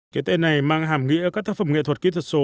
cái tên này mang hàm nghĩa các thác phẩm nghệ thuật kỹ thuật số